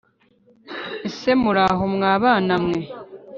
ese muraho mwa bana mwe